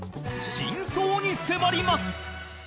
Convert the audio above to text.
真相に迫ります